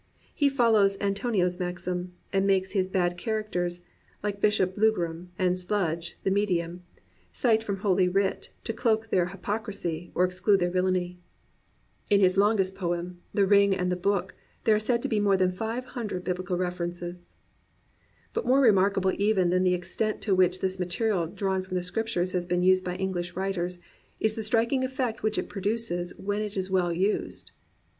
He follows Antonio's maxim, and makes his bad characters, Uke Bishop Blougram and Sludge the Medium, cite from Holy Writ to cloak their hy pocrisy or excuse their villainy. In his longest * The Bible in BroxDning. Macmillan: New York, 1903. 27 COMPANIONABLE BOOKS poem, The Ring and the Booky there are said to be more than five hundred Biblical references. But more remarkable even than the extent to which this material drawn from the Scriptures has been used by English writers, is the striking effect which it produces when it is well used.